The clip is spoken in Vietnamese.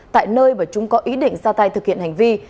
tại nơi mà chúng có ý định ra tay thực hiện hành vi